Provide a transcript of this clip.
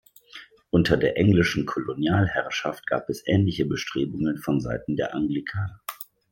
Unter der englischen Kolonialherrschaft gab es ähnliche Bestrebungen von Seiten der Anglikaner.